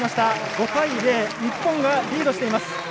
５対０で日本がリードしています。